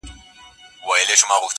د یار دیدن آب حیات دی،